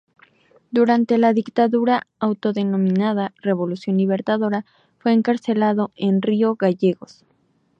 Durante la dictadura autodenominada Revolución Libertadora fue encarcelado en Río Gallegos.